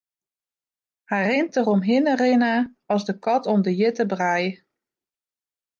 Hy rint deromhinne rinne as de kat om de hjitte brij.